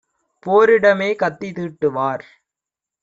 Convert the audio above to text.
போரிடமே கத்தி தீட்டுவார்!